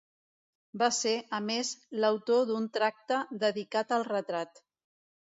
Va ser, a més, l'autor d'un tracta dedicat al retrat.